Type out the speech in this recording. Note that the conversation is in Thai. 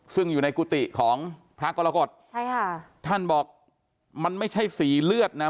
ซึ่งอยู่ในกุฏิของพระกรกฎใช่ค่ะท่านบอกมันไม่ใช่สีเลือดนะ